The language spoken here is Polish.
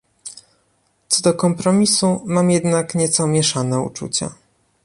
Co do kompromisu mam jednak nieco mieszane uczucia